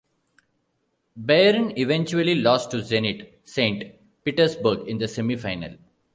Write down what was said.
Bayern eventually lost to Zenit Saint Petersburg in the semi-final.